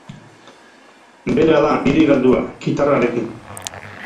Bera da hiri galdua, kitarrarekin.